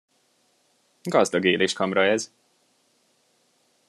Gazdag éléskamra ez!